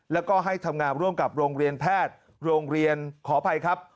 แล้วก็ให้ทำงานร่วมกับโรงเรียนแพทย์โรงเรียนขออภัยครับ